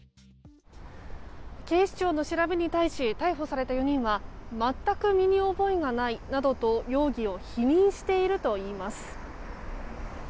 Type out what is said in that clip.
警視庁の調べに対し逮捕された４人は全く身に覚えがないなどと容疑を否認しているといいます。